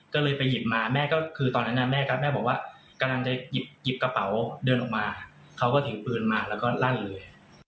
ก็เลยไปหยิบมาแม่ก็คือตอนนั้นแม่ครับแม่บอกว่ากำลังจะหยิบกระเป๋าเดินออกมาเขาก็ถือปืนมาแล้วก็ลั่นเลย